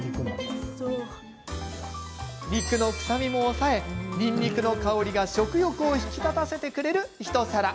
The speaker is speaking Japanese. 肉の臭みも抑えにんにくの香りが食欲を引き立たせてくれる一皿。